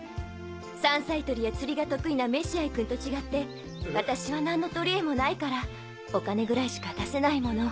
山菜採りや釣りが得意な飯合君と違って私は何の取りえもないからお金ぐらいしか出せないもの。